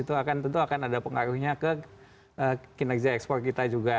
itu akan tentu akan ada pengaruhnya ke kinerja ekspor kita juga